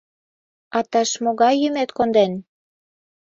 — А тыш могай юмет конден?